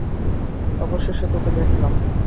অবশেষে তোকে দেখলাম!